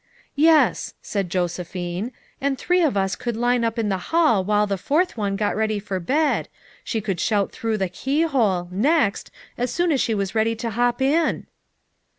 "Yes," said Josephine, "and three of us could line up in the hall while the fourth one got ready for bed ; she could shout through, the keyhole, 'Next,' as soon as she was ready to hop in."